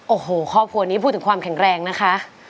โอ้โหครอบครัวนี้พูดถึงความแข็งแรงนะคะ